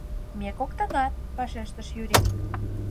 — Ме коктынат, — вашештыш Юрик.